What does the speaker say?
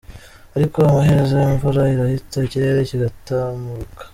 Ariko amaherezo imvura irahita ikirere kigatamuruka.